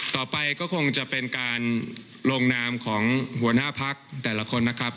ต่อไปก็คงจะเป็นการลงนามของหัวหน้าพักแต่ละคนนะครับ